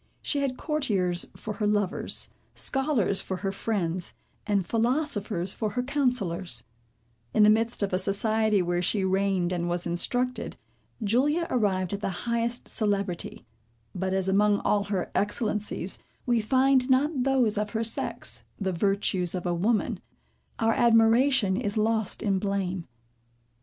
She had courtiers for her lovers, scholars for her friends, and philosophers for her counsellors. In the midst of a society, where she reigned and was instructed. Julia arrived at the highest celebrity; but as among all her excellencies, we find not those of her sex, the virtues of a woman, our admiration is lost in blame.